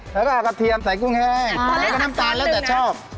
แล้วก็เอากระเทียมใส่กุ้งแห้งแล้วก็น้ำตาลแล้วแต่ชอบ